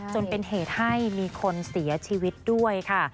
จนเป็นเหตุให้มีคนเสียชีวิตด้วยค่ะ